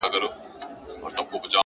پرمختګ د کوچنیو بدلونونو ټولګه ده’